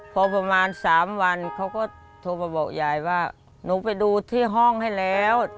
พอประมาณ๓วันเขาก็โทรมาบอกยายว่าหนูไปดูที่ห้องให้แล้ว